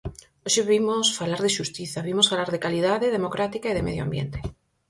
Hoxe vimos falar de xustiza, vimos falar de calidade democrática e de medio ambiente.